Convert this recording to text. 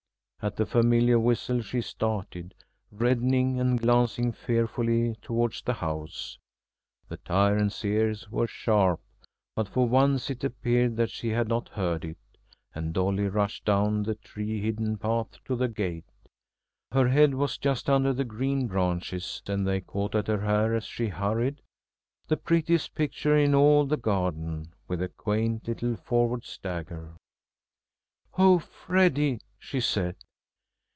At the familiar whistle she started, reddening and glancing fearfully towards the house. The tyrant's ears were sharp, but for once it appeared that she had not heard it, and Dolly rushed down the tree hidden path to the gate. Her head was just under the green branches and they caught at her hair as she hurried, the prettiest picture in all the garden, with a quaint little forward stagger. "Oh, Freddy!" she said.